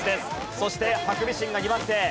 そしてハクビシンが２番手。